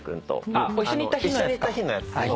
一緒に行った日のやつか。